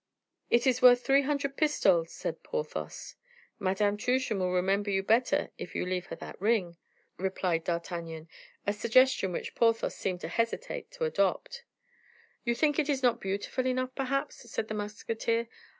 "It is worth three hundred pistoles," said Porthos. "Madame Truchen will remember you better if you leave her that ring," replied D'Artagnan, a suggestion which Porthos seemed to hesitate to adopt. "You think it is not beautiful enough, perhaps," said the musketeer.